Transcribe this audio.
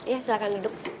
ya silahkan duduk